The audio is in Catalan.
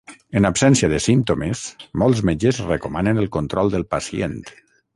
En absència de símptomes, molts metges recomanen el control del pacient.